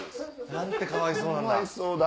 何てかわいそうなんだ。